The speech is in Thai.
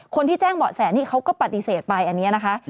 คนที่แจ้งเบาะแสนี่เขาก็ปฏิเสธไปอันนี้นะคะ